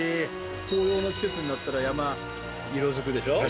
紅葉の季節になったら山色付くでしょ？